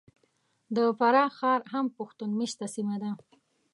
د فراه ښار هم پښتون مېشته سیمه ده .